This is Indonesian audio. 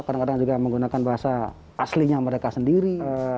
kadang kadang juga menggunakan bahasa aslinya mereka sendiri